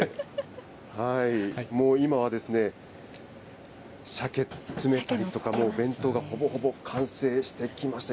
今はシャケ詰めたりとか、お弁当がほぼほぼ完成してきました。